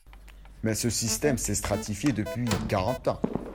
Mais ce système s’est stratifié depuis quarante ans.